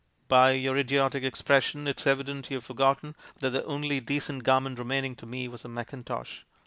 Bv vour idiotic expression it's evident you've forgotten that the only decent garment remaining to me was a mackintosh.